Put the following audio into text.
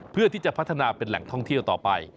เพื่อที่จะพัฒนาเป็นแหล่งท่องเที่ยวต่อไป